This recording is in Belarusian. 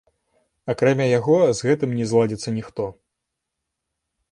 Акрамя яго з гэтым не зладзіцца ніхто.